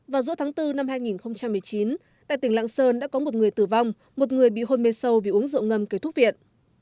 vào giữa tháng bốn năm hai nghìn một mươi chín tại tỉnh lạng sơn đã có một người tử vong một người bị hôn mê sâu vì uống rượu ngâm kể thuốc viện